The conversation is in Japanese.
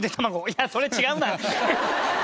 いやそれ違うな。